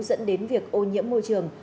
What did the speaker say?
dẫn đến việc ô nhiễm môi trường